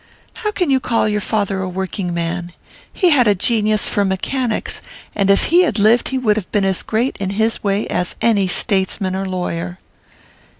"How can you call your father a working man? He had a genius for mechanics, and if he had lived he would have been as great in his way as any statesman or lawyer."